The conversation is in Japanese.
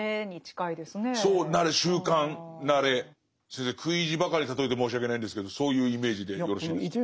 先生食い意地ばかり例えて申し訳ないんですけどそういうイメージでよろしいですか？